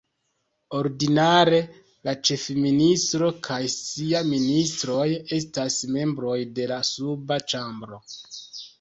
Ordinare, la ĉefministro kaj siaj ministroj estas membroj de la suba ĉambro.